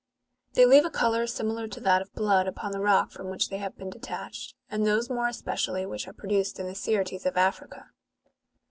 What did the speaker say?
They leave a colour similar to that of blood upon the rock from which they have been detached, and those more especially which are pro duced in the Syrtes of Africa.'